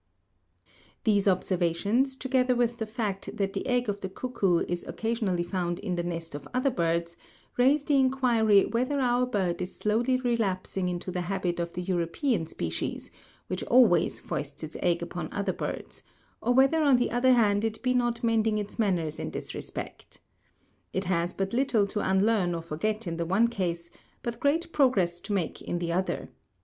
These observations, together with the fact that the egg of the cuckoo is occasionally found in the nest of other birds, raise the inquiry whether our bird is slowly relapsing into the habit of the European species, which always foists its egg upon other birds; or whether on the other hand it be not mending its manners in this respect. It has but little to unlearn or forget in the one case, but great progress to make in the other.